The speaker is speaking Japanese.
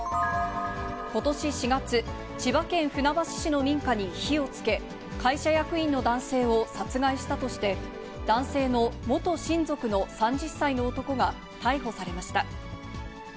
ことし４月、千葉県船橋市の民家に火をつけ、会社役員の男性を殺害したとして、男性の元親族の３０歳の男が逮捕されました。